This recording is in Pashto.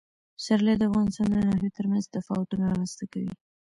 پسرلی د افغانستان د ناحیو ترمنځ تفاوتونه رامنځ ته کوي.